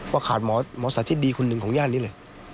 ว่าขาดหมอสัตว์ที่ดีคนหนึ่งของย่านนี้เลย